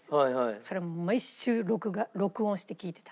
それを毎週録画録音して聴いてた。